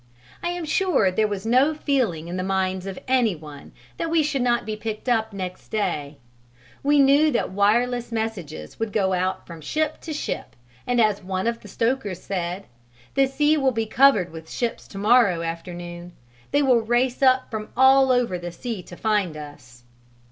I am sure there was no feeling in the minds of any one that we should not be picked up next day: we knew that wireless messages would go out from ship to ship, and as one of the stokers said: "The sea will be covered with ships to morrow afternoon: they will race up from all over the sea to find us."